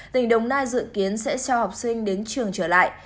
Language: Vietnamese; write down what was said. tỉnh đồng nai dự kiến sẽ cho học sinh đến trường trở lại